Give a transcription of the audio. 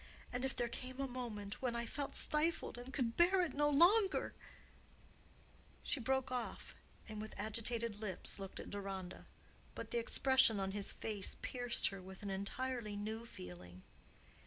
And if there came a moment when I felt stifled and could bear it no longer——" She broke off, and with agitated lips looked at Deronda, but the expression on his face pierced her with an entirely new feeling.